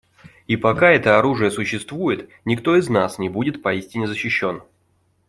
И пока это оружие существует, никто из нас не будет поистине защищен.